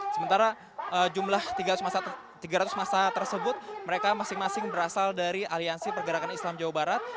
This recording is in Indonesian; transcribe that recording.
sementara jumlah tiga ratus masa tersebut mereka masing masing berasal dari aliansi pergerakan islam jawa barat